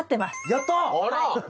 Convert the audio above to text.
やった！